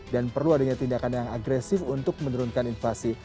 dan perlu adanya tindakan yang agresif untuk menurunkan inflasi